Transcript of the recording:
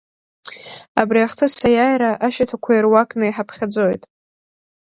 Абри ахҭыс аиааира ашьаҭақәа ируакны иҳаԥхьаӡеит.